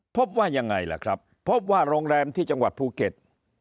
พบว่ายังไงล่ะครับพบว่าโรงแรมที่จังหวัดภูเก็ต